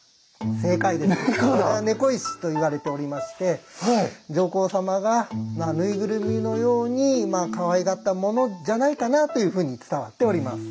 これは「猫石」と言われておりまして上皇様が縫いぐるみのようにかわいがったものじゃないかなというふうに伝わっております。